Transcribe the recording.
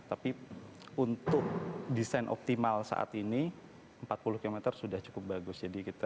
tapi untuk desain optimal saat ini empat puluh km sudah cukup bagus